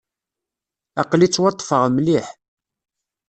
Aql-i ttwaṭṭfeɣ mliḥ.